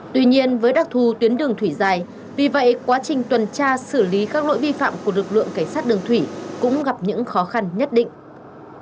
tuy nhiên với đặc thù tuyến đường thủy dài vì vậy quá trình tuần tra xử lý các lỗi vi phạm của lực lượng cảnh sát đường thủy cũng gặp những khó khăn nhất định